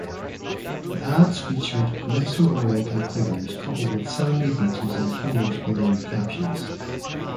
The ads featured Mesoamerican figures coupled with sandy beaches and humorous balloon captions.